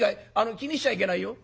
気にしちゃいけないよ」。